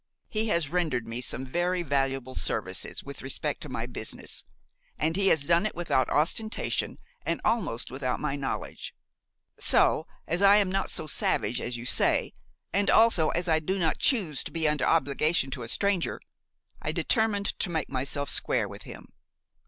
He has rendered me some very valuable services with respect to my business, and he has done it without ostentation and almost without my knowledge; so, as I am not so savage as you say, and also as I do not choose to be under obligations to a stranger, I determined to make myself square with him."